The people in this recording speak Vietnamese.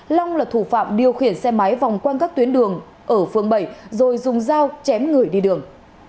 long là thủ phạm điều khiển xe máy vòng quanh các tuyến đường ở phương bảy rồi dùng dao chém người đi đường